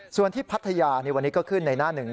ส่วนที่พัทยาวันนี้ก็ขึ้นในหน้าหนึ่ง